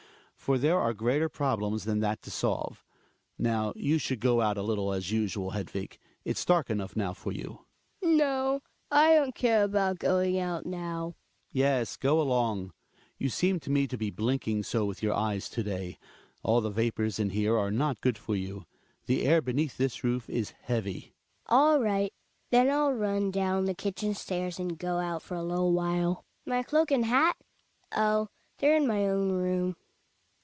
For there are greater problems than that to solve. Now you should go out a little as usual, Hedvig, it's dark enough now for you. Hedvig. No, I don*t care about going out now. Hjalmak. Yes, go along, you seem to me to be blink ing so with your eyes to day; all the vapors in here are not good for you. The air beneath this roof is heavy. Hedvig. All right, then 111 run down the kitchen stairs and go out for a little while. My cloak and hat? — Oh ! they're in my own room.